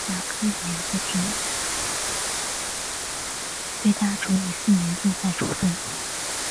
对她处以四年禁赛处分。